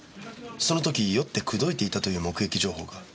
その時酔って口説いていたという目撃情報が。